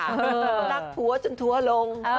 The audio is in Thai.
รักผัวจนทัวร์ลง